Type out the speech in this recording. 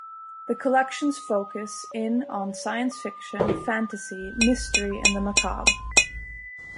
The collection's focus in on science fiction, fantasy, mystery and the macabre.